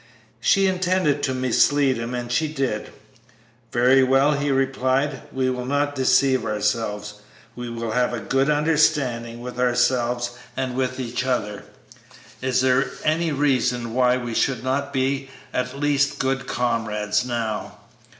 She intended to mislead him, and she did. "Very well," he replied; "we will not deceive ourselves; we will have a good understanding with ourselves and with each other. Is there any reason why we should not be at least good comrades now?"